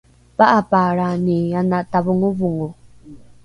pa’apaalrani ana tavongovongo